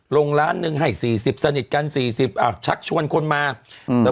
ลงล้านหนึ่งให้สี่สิบสนิทกันสี่สิบอ้าวชักชวนคนมาอืมแล้ว